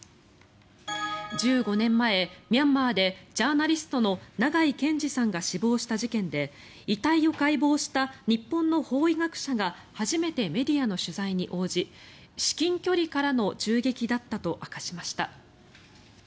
１５年前、ミャンマーでジャーナリストの長井健司さんが死亡した事件で遺体を解剖した日本の法医学者が初めてメディアの取材に応じ至近距離からの銃撃だったと明かしました。